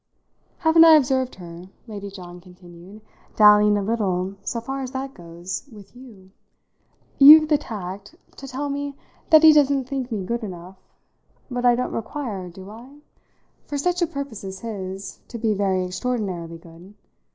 Haven't I observed her," Lady John continued, "dallying a little, so far as that goes, with you? You've the tact to tell me that he doesn't think me good enough, but I don't require, do I? for such a purpose as his to be very extraordinarily good.